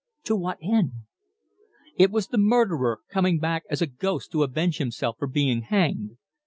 To what end! It was the murderer coming back as a ghost to avenge himself for being hanged.